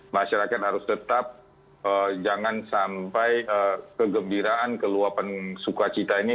masyarakat harus tetap jangan sampai kegembiraan keluapan sukacita ini